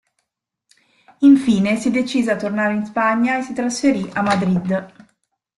Infine si decise a tornare in Spagna e si trasferì a Madrid.